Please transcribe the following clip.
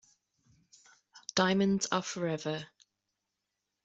Diamonds are forever.